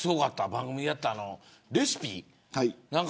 番組でやったレシピ。